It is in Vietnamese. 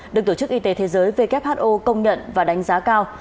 được tổ chức y tế thế giới who công nhận và đánh giá cao